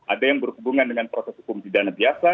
ada yang berhubungan dengan proses hukum di dana biasa